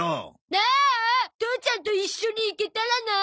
ああ父ちゃんと一緒に行けたらな。